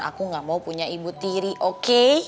aku gak mau punya ibu tiri oke